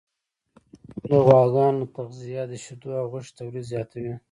د غواګانو تغذیه د شیدو او غوښې تولید زیاتوي.